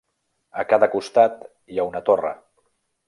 A cada costat hi ha una torre.